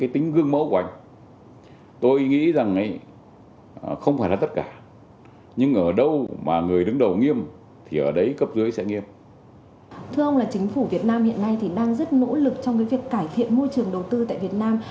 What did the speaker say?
thưa ông là chính phủ việt nam hiện nay thì đang rất nỗ lực trong cái việc cải thiện môi trường đầu tư tại việt nam